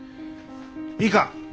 いいか？